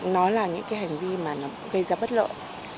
nó là những cái hành vi mà nó gây ra bất lợi